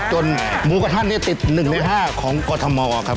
จนหมูกระทานเนี่ยติด๑ใน๕ของกฎธมครับผม